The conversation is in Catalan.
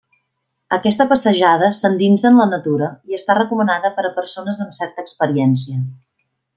Aquesta passejada s'endinsa en la natura i està recomanada per a persones amb certa experiència.